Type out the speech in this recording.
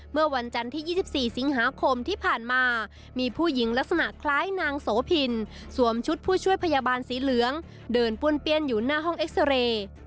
เมื่อวันจันทร์ที่๒๔สิงหาคมที่ผ่านมามีผู้หญิงลักษณะคล้ายนางโสพินสวมชุดผู้ช่วยพยาบาลสีเหลืองเดินป้วนเปี้ยนอยู่หน้าห้องเอ็กซาเรย์